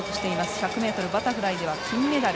１００ｍバタフライでは金メダル。